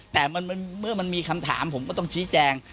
แต่เมื่อมันมีคำถามผมก็ต้องชี้แจง